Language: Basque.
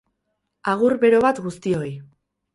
Agur bero bat guztioi.